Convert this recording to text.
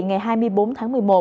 ngày hai mươi bốn tháng một mươi một